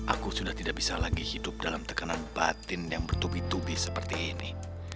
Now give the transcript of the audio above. aku sudah tidak bisa lagi hidup dalam tekanan batin yang bertubi tubi seperti ini